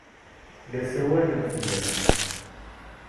La ssawalent fell-am.